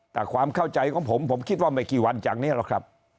แต่ความเข้าใจของผมผมคิดว่าไม่กี่วันจากนี้หรอกครับ